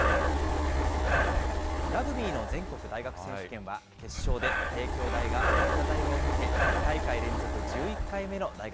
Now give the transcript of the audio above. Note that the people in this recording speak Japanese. ラグビーの全国大学選手権は、決勝で帝京大が早稲田大を破って２大会連続１１回目の大学